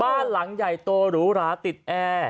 บ้านหลังใหญ่โตหรูหราติดแอร์